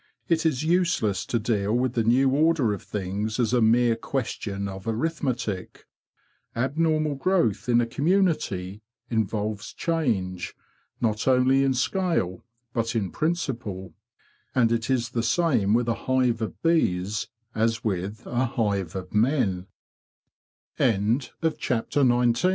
It is useless to deal with the new order of things as a mere question of arithmetic. Abnormal growth in a community involves change not only in scale but in principle; and it is the same with a hive of bees as wit